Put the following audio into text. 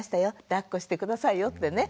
だっこして下さいよってね。